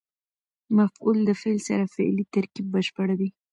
مفعول د فعل سره فعلي ترکیب بشپړوي.